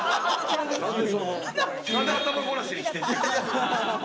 なんで頭ごなしに否定してんの？